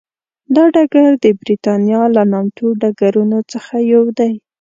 دا ډګر د برېتانیا له نامتو ډګرونو څخه یو دی.